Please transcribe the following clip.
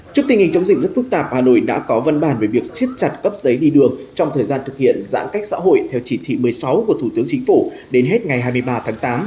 trước tình hình chống dịch rất phức tạp hà nội đã có văn bản về việc siết chặt cấp giấy đi đường trong thời gian thực hiện giãn cách xã hội theo chỉ thị một mươi sáu của thủ tướng chính phủ đến hết ngày hai mươi ba tháng tám